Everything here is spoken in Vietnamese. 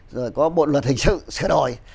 rồi có bộ luật hình sự xử đổi